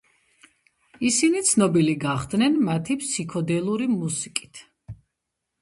ისინი ცნობილი გახდნენ მათი ფსიქოდელური მუსიკით.